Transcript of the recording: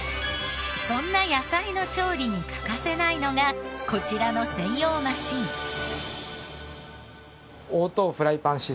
そんな野菜の調理に欠かせないのがこちらの専用マシーン。